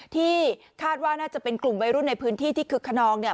ที่คาดว่าน่าจะเป็นกลุ่มวัยรุ่นในพื้นที่ที่คึกขนองเนี่ย